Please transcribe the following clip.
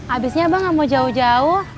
abisnya abang nggak mau jauh jauh